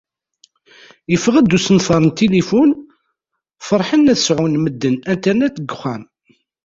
Iffeɣ-d usenfar n tilifun, ferḥen ad sɛun medden Internet deg uxxam.